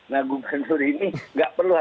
nah gubernur ini nggak perlu ada